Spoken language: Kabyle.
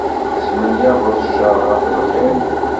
Tesmenyafeḍ ccer ɣef lxir.